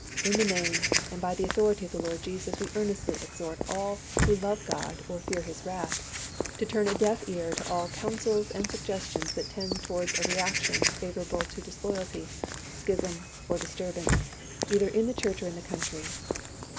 .. In the name and by the authority of the Lord Jesus we earnestly exhort all who love God or fear his wrath to turn a deaf ear to all coun sels and suggestions that tend towards a reaction favor able to disloyalty, schism, or disturbance, either in the Church or in the country